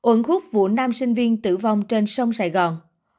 ổn khúc vụ nam sinh viên tử vong trên sông sài gòn